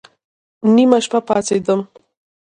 نيمه شپه پاڅېدم.